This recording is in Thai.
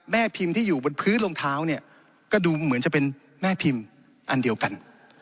แม่พิมพ์ที่อยู่บนพื้นรองเท้าเนี่ยก็ดูเหมือนจะเป็นแม่พิมพ์อันเดียวกัน